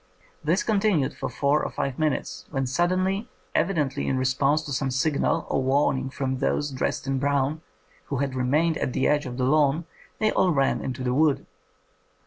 This continued for four or five minutes, when suddenly, evidently in re sponse to some signal or warning from those dressed in brown, who had remained at the edge of the lawn, they all ran into the wood.